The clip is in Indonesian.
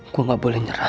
gue gak boleh nyerah